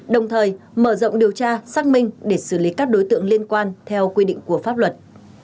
đồng thời mở rộng điều tra xác minh để xử lý các đối tượng liên quan theo quy định của pháp luật